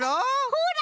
ほら！